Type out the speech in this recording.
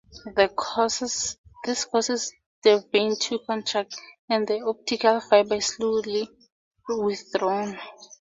This causes the vein to contract, and the optical fiber is slowly withdrawn.